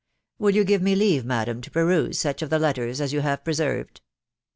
Will you give me leave, madam, to peruse such of the letters as you have preserved